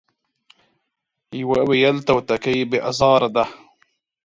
يوه ويل توتکۍ بې ازاره ده ،